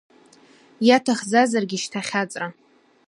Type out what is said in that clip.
Иаҭахӡазаргьы шьҭа ахьаҵра…